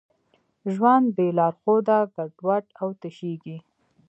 ژوند بېلارښوده ګډوډ او تشېږي.